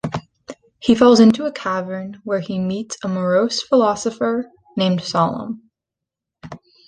He falls into a cavern where he meets a morose philosopher named Sollum.